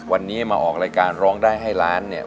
วันนี้มาออกรายการร้องได้ให้ล้านเนี่ย